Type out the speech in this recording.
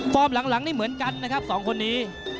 หลังนี่เหมือนกันนะครับสองคนนี้